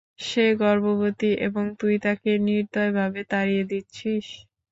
সে গর্ভবতী এবং তুই তাকে নির্দয়ভাবে তাড়িয়ে দিচ্ছিস।